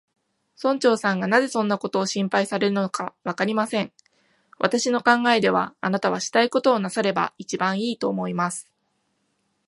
村長さんがなぜそんなことを心配されるのか、わかりません。私の考えでは、あなたはしたいことをなさればいちばんいい、と思います。